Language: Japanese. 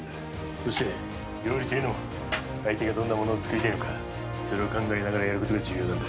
そして料理というのは相手がどんな物を作りたいのかそれを考えながらやることが重要なんだ。